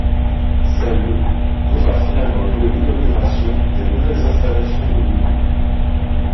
C'est le qu'aura finalement lieu l'inauguration des nouvelles installations de l'Union.